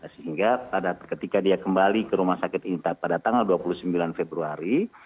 sehingga ketika dia kembali ke rumah sakit intan pada tanggal dua puluh sembilan februari